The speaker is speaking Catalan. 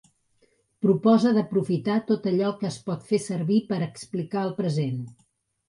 Propose d’aprofitar tot allò que es pot fer servir per explicar el present.